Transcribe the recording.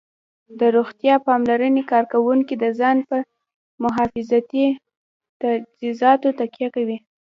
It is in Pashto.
د روغتیا پاملرنې کارکوونکي د ځان په محافظتي تجهیزاتو تکیه کوي